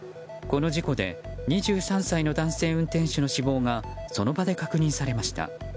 この事故で２３歳の男性運転手の死亡がその場で確認されました。